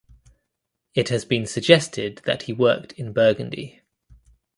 It has been suggested that he worked in Burgundy.